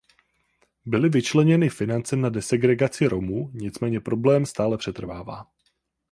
Byly vyčleněny finance na desegregaci Romů; nicméně problém stále přetrvává.